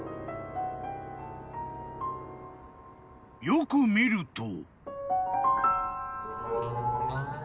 ［よく見ると］